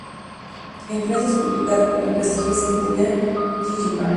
En Francia es publicado por la prestigiosa editorial Gallimard.